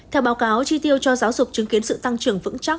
theo báo cáo chi tiêu cho giáo dục chứng kiến sự tăng trưởng vững chắc